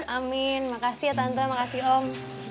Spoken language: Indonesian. amin makasih ya tante makasih om